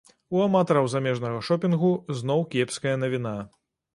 У аматараў замежнага шопінгу зноў кепская навіна.